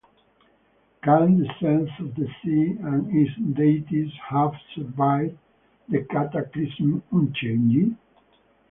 Can the sense of the sea and its deities have survived the cataclysm unchanged?